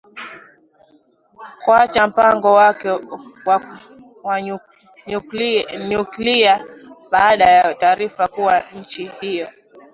kuacha mpango wake wa nyuklia baada ya taarifa kuwa nchi hiyo